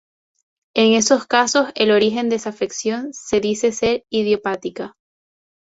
En esos casos, el origen de esa afección se dice ser "idiopática.